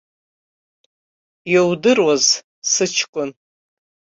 Иудыруаз, сыҷкәын.